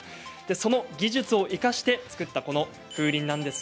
その技術を生かして作った風鈴です。